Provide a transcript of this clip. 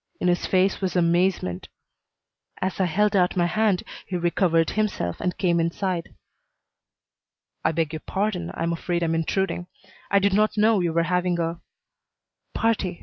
In his face was amazement. As I held out my hand he recovered himself and came inside. "I beg your pardon. I'm afraid I'm intruding. I did not know you were having a " "Party.